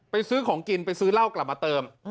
ซื้อของกินไปซื้อเหล้ากลับมาเติม